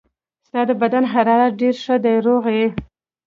ستا د بدن حرارت ډېر ښه دی، روغ یې.